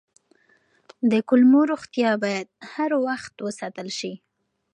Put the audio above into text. د کولمو روغتیا باید هر وخت وساتل شي.